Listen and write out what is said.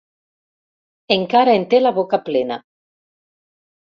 Encara en té la boca plena.